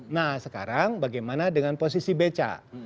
nah sekarang bagaimana dengan posisi beca